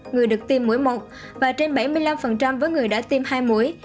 người được tiêm mũi một và trên bảy mươi năm với người đã tiêm hai mũi